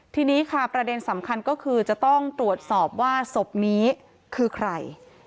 ทีนี้ค่ะประเด็นสำคัญก็คือจะต้องตรวจสอบว่าศพนี้คือใคร